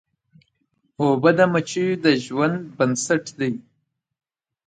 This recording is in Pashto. اوبه د مچیو د ژوند بنسټ دي.